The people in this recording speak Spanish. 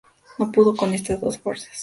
No pudo con estas dos fuerzas.